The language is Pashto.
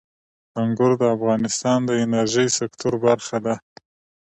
انګور د افغانستان د انرژۍ د سکتور برخه ده.